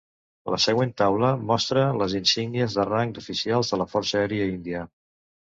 La següent taula mostra les insígnies de rang d'oficials de la Força Aèria Índia.